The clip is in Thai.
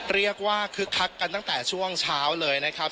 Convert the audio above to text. คึกคักกันตั้งแต่ช่วงเช้าเลยนะครับ